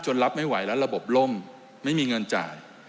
รับไม่ไหวแล้วระบบล่มไม่มีเงินจ่าย